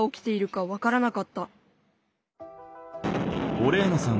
オレーナさん